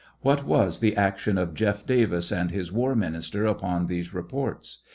What was the action of Jeff Davis and his war minister upon these reports?